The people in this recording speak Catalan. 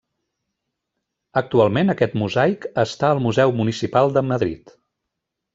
Actualment aquest mosaic està al Museu Municipal de Madrid.